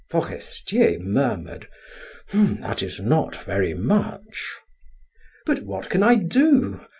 Forestier murmured: "That is not very much." "But what can I do?"